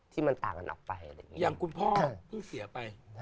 ที่มันต่างกันออกไปอย่างคุณพ่อเพิ่งเสียไป